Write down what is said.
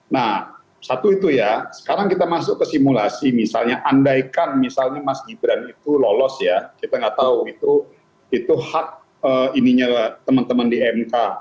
nah satu itu ya sekarang kita masuk ke simulasi misalnya andaikan misalnya mas gibran itu lolos ya kita nggak tahu itu hak teman teman di mk